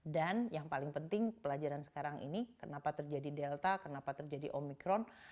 dan yang paling penting pelajaran sekarang ini kenapa terjadi delta kenapa terjadi omicron